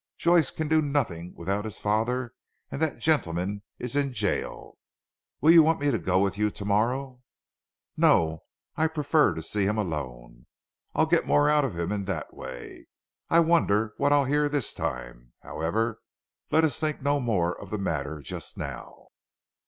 Joyce can do nothing without his father, and that gentleman is in gaol." "Will you want me to go with you to morrow?" "No, prefer to see him alone. I'll get more out of him in that way. I wonder what I'll hear this time. However let us think no more of the matter just now.